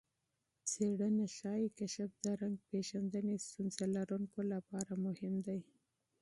څېړنه ارزوي، کشف د رنګ پېژندنې ستونزه لرونکو لپاره مهم دی.